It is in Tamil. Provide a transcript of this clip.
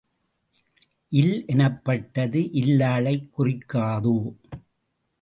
இல் எனப்பட்டது இல்லாளைக் குறிக்காதோ?